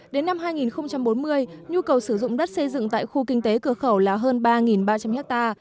đến năm hai nghìn bốn mươi nhu cầu sử dụng đất xây dựng tại khu kinh tế cửa khẩu là hơn ba ba trăm linh ha